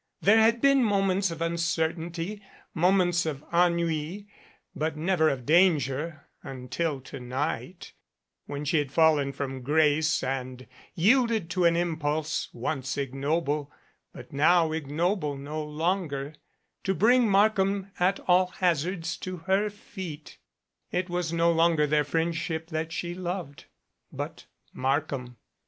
There had been moments of uncertainty, moments of ennui, but never of danger until to night, when she had fallen from grace and yielded to an impulse, once ignoble, but now ignoble no longer, to bring Markham at all haz ards to her feet. It was no longer their friendship that she loved, but Markham.